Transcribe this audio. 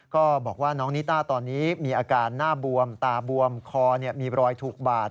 ก็บอกว่าน้องนิต้าตอนนี้มีอาการหน้าบวมตาบวมคอมีรอยถูกบาด